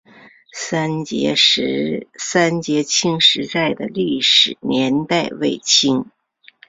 三捷青石寨的历史年代为清。